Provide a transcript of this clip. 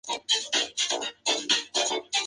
Evolucionó a tamaño tabloide.